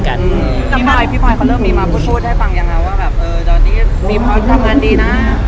พี่ปลอยเริ่มมีมาพูดให้ฟังอย่างนั้นว่าโดดดี้สีพอร์ตทำงานดีนะ